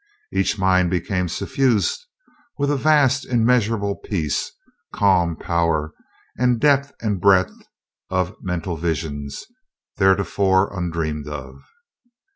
Each mind became suffused with a vast, immeasurable peace, calm power, and a depth and breadth of mental vision theretofore undreamed of.